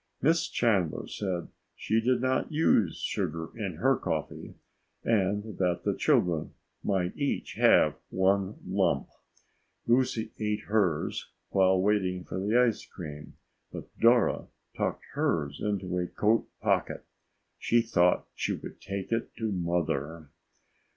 Miss Chandler said she did not use sugar in her coffee and that the children might each have one lump. Lucy ate hers while waiting for the ice cream, but Dora tucked hers into a coat pocket. She thought she would take it to Mother.